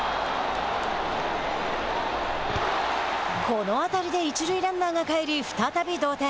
この当たりで一塁ランナーが帰り再び同点。